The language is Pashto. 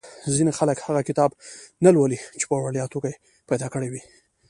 ځینې خلک هغه کتاب نه لولي چې په وړیا توګه یې پیدا کړی وي.